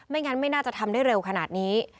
งั้นไม่น่าจะทำได้เร็วขนาดนี้